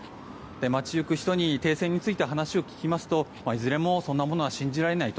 街ゆく人に停戦について話を聞きますといずれもそんなものは信じられないと。